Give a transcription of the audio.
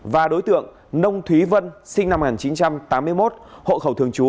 và đối tượng nông thúy vân sinh năm một nghìn chín trăm tám mươi một hộ khẩu thường trú